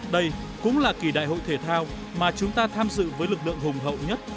đây cũng là kỳ đại hội thể thao mà chúng ta tham dự với lực lượng hùng hậu nhất